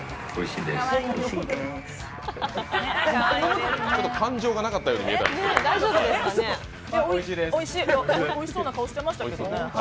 いえ、おいしそうな顔してましたけどね。